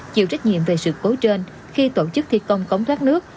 chịu trách nhiệm về sự cố trên khi tổ chức thi công cống thoát nước